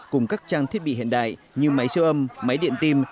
cùng các trang thiết bị hiện đại như máy siêu âm máy điện tim